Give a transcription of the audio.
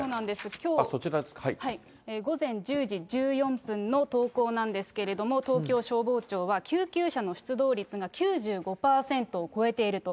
きょう午前１０時１４分の投稿なんですけれども、東京消防庁は、救急車の出動率が９５％を超えていると。